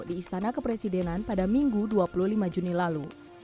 di istana kepresidenan pada minggu dua puluh lima juni lalu